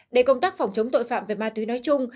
để công tác phòng chống tội phạm về ma túy nói chung